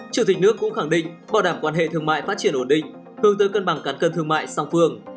chủ tịch nước cũng khẳng định bảo đảm quan hệ thương mại phát triển ổn định hướng tới cân bằng cán cân thương mại song phương